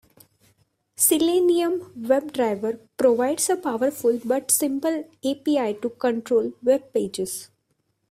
Selenium WebDriver provides a powerful but simple API to control webpages.